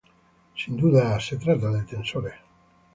Sin duda se trata de tensores.